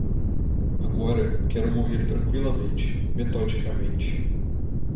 Agora, quero morrer tranqüilamente, metodicamente